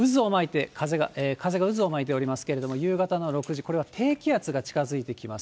風が渦を巻いておりますけれども、夕方の６時、これは低気圧が近づいてきます。